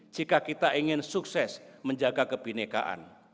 jika kita ingin sukses menjaga kebinekaan